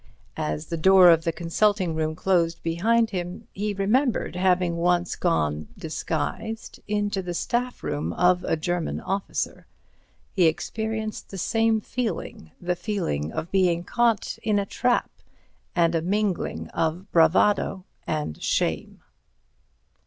As the door of the consulting room closed behind him, he remembered having once gone, disguised, into the staff room of a German officer. He experienced the same feeling—the feeling of being caught in a trap, and a mingling of bravado and shame.